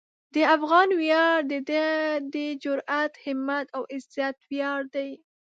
د افغان ویاړ د ده د جرئت، همت او عزت ویاړ دی.